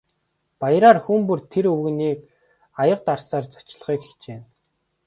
Баяраар хүн бүр тэр өвгөнийг аяга дарсаар зочлохыг хичээнэ.